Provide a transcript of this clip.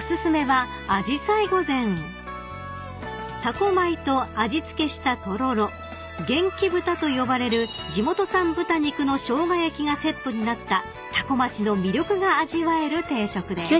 ［多古米と味付けしたとろろ元気豚と呼ばれる地元産豚肉のしょうが焼きがセットになった多古町の魅力が味わえる定食です］